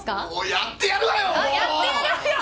やってやるわよ。